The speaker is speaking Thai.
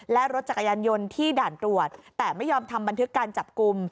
และรถจักรยานยนต์ที่ด่านตรวจแต่ไม่ยอมทำบันทึกการจับกลุ่ม